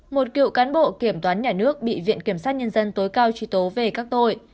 một cựu cán bộ kiểm toán nhà nước bị viện kiểm sát nhân dân tối cao truy tố về các tội